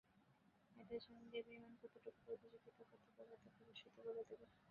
এদের সঙ্গে বিমান কতটুকু প্রতিযোগিতা করতে পারবে, তা ভবিষ্যৎই বলে দেবে।